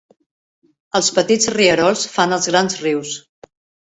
Els petits rierols fan els grans rius.